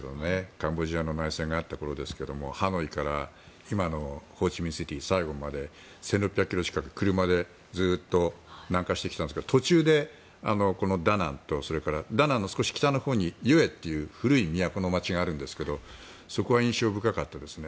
カンボジアの内戦があった頃ですけどハノイから今のホーチミンシティーサイゴンまで１６００ｋｍ近く南下してきたんですけど途中でダナンとダナンの少し北のほうに古い都の街があるんですがそこは印象深かったですね。